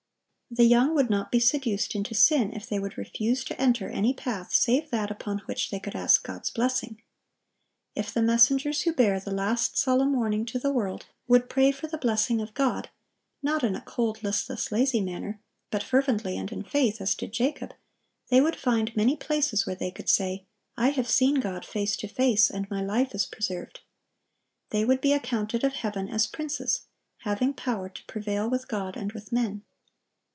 The young would not be seduced into sin if they would refuse to enter any path save that upon which they could ask God's blessing. If the messengers who bear the last solemn warning to the world would pray for the blessing of God, not in a cold, listless, lazy manner, but fervently and in faith, as did Jacob, they would find many places where they could say, "I have seen God face to face, and my life is preserved."(1061) They would be accounted of heaven as princes, having power to prevail with God and with men.